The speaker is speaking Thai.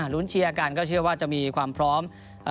รุ้นเชียร์กันก็เชื่อว่าจะมีความพร้อม